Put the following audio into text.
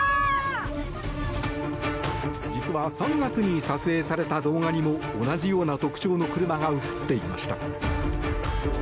実は３月に撮影された動画にも同じような特徴の車が映っていました。